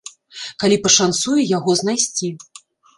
Калі пашанцуе яго знайсці.